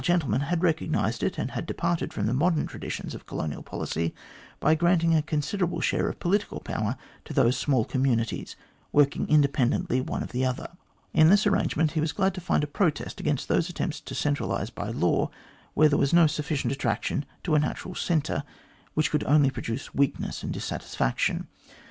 gentleman had recognised it, and had departed from the modern traditions of colonial policy by granting a considerable share of political power to those small communities, working independently one of the other. In this arrangement he was glad to find a protest against those attempts to centralise by law where there was no sufficient attraction to a natural centre, which could only produce weakness and dissatisfaction.